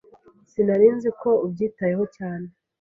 Sinari nzi ko ubyitayeho cyane.